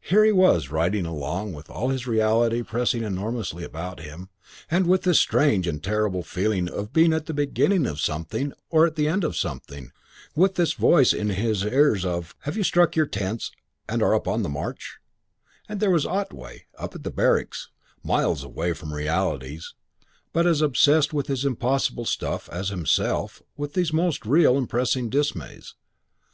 Here he was riding along with all this reality pressing enormously about him, and with this strange and terrible feeling of being at the beginning of something or at the end of something, with this voice in his ears of, "You have struck your tents and are upon the march"; and there was Otway, up at the barracks, miles away from realities, but as obsessed with his impossible stuff as he himself with these most real and pressing dismays.